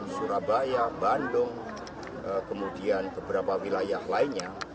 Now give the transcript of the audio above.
surabaya bandung kemudian beberapa wilayah lainnya